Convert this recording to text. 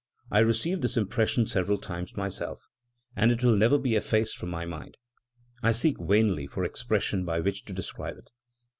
I received this impression several times myself, and it will never be effaced from my mind; I seek vainly for expressions by which to describe it.